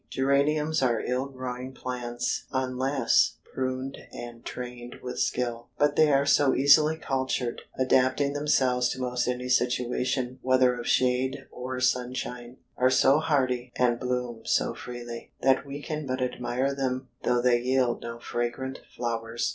Geraniums are ill growing plants unless pruned and trained with skill. But they are so easily cultured, adapting themselves to most any situation whether of shade or sunshine, are so hardy, and bloom so freely, that we can but admire them though they yield no fragrant flowers.